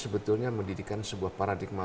sebetulnya mendidikan sebuah paradigma